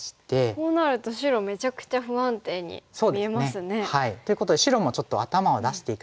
こうなると白めちゃくちゃ不安定に見えますね。ということで白もちょっと頭を出していかないといけないんですね。